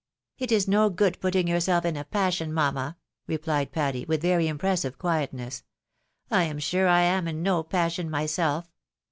"It is no good putting yourself in a passion, mamma," rephed Patty, with very impressive quietness. " I am sure I am in no passion myself.